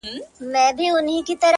څه یې مسجد دی څه یې آذان دی،